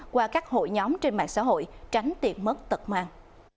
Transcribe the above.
qua các hội nhóm trên mạng xã hội tránh tiệt mất tật màng